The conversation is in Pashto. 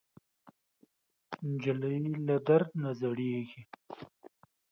نجلۍ له درد نه زړېږي.